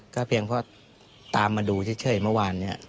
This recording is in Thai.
ก็เพียงเพราะตามมาดูเฉยเมื่อวานนี้